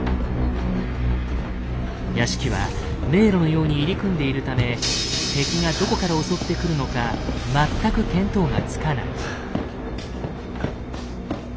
屋敷は迷路のように入り組んでいるため敵がどこから襲ってくるのか全く見当がつかない。